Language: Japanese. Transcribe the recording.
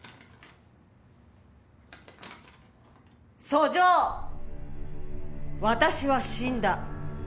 「訴状」「私は死んだ。